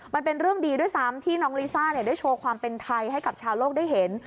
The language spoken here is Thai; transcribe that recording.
มันเป็นเรื่องดีด้วยซ้ำที่น้องลิซ่าได้โชว์ความเป็นไทยให้กับชาวโลกได้เห็น